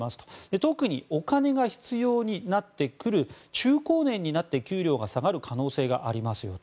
特にお金が必要になってくる中高年になって給料が下がる可能性がありますよと。